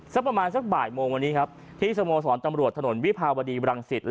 สักประมาณสักบ่ายโมงที่สโมสอนตำรวจถนนวิพาบรรดีวรังสิต